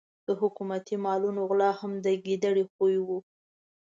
د حکومتي مالونو غلا هم د ګیدړ خوی وو.